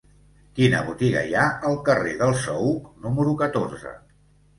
Quina botiga hi ha al carrer del Saüc número catorze?